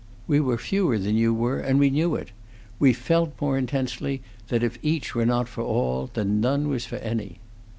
We were fewer than you were, and we knew it; we felt more intensely that if each were not for all, then none was for any."